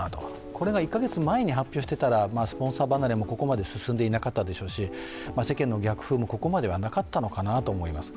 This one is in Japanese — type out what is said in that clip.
これが１か月前にできていればスポンサー離れもここまで進んでいなかったでしょうし、世間の逆風もここまではなかったのかなと思います。